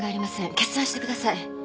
決断してください。